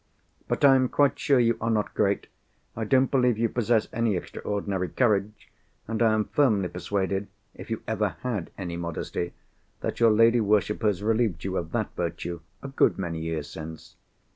"But I am quite sure you are not great; I don't believe you possess any extraordinary courage; and I am firmly persuaded—if you ever had any modesty—that your lady worshippers relieved you of that virtue a good many years since.